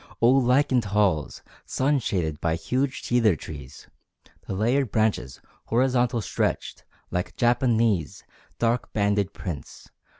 Old lichened halls, sun shaded by huge cedar trees, The layered branches horizontal stretched, like Japanese Dark banded prints.